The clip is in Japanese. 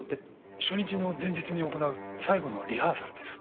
初日の前日に行う最後のリハーサルです。